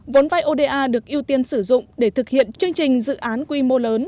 vốn vai oda được ưu tiên sử dụng để thực hiện chương trình dự án quy mô lớn